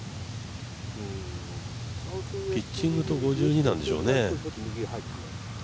ピッチングと５２なんでしょうね。